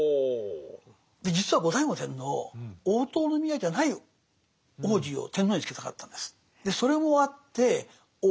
実は後醍醐天皇大塔宮じゃない皇子を天皇につけたかったんです。